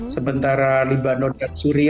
sementara libanon dan syria ini masih dalam suasana